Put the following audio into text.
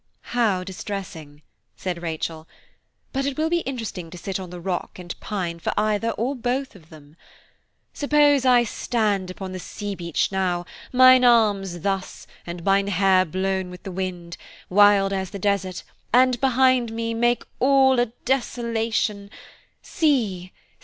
"How distressing !" said Rachel; "but it will be interesting to sit on the rock and pine for either or both of them. 'Suppose I stand upon the sea beach now, Mine arms thus, and mine hair blown with the wind, Wild as the desert–and behind me– Make all a desolation–See!